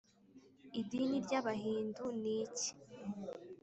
idini ry’abahindu ni iki?